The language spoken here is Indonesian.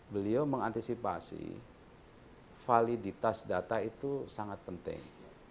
beliau mengantisipasi validitas data itu sangat penting